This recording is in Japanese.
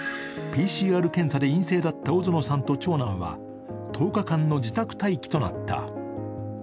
ＰＣＲ検査で陰性だった尾園さんと長男は１０日間の自宅待機となった。